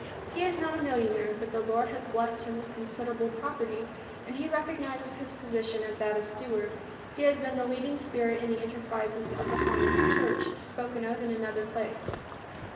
He is not a millionaire, but the Lord has blessed him with considerable property, and he recognizes his position as that of steward. He has been the leading spirit in the enterprises of the Homs church, spoken of in another place.